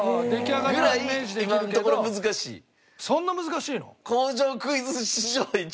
そんな難しいの？